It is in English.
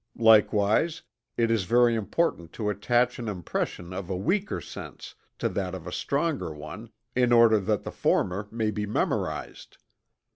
Likewise it is very important to attach an impression of a weaker sense, to that of a stronger one, in order that the former may be memorized.